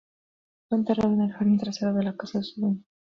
Fue enterrado en el jardín trasero de la casa de su dueño.